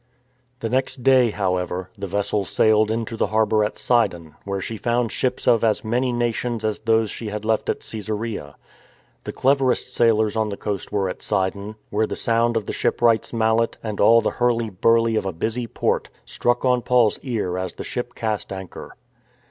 The next day, however, the vessel sailed into the harbour at Sidon, where she found ships of as many nations as those she had left at Caesarea. The clever est sailors on the coast were at Sidon, where the sound of the shipwright's mallet, and all the hurly burly of a busy port, struck on Paul's ear as the ship cast anchor.